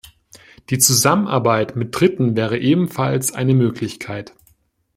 Die Zusammenarbeit mit Dritten wäre ebenfalls eine Möglichkeit.